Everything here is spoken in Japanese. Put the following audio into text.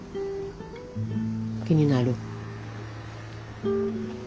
気になる？